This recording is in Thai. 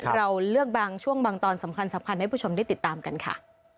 เราเลือกบางช่วงบางตอนสำคัญให้ผู้ชมได้ติดตามกันค่ะ